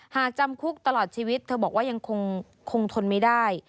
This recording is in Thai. จำคุกตลอดชีวิตเธอบอกว่ายังคงทนไม่ได้